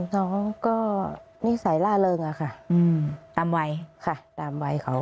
น้องก็นิสัยล่าเริงอะค่ะตามวัยค่ะตามวัยเขา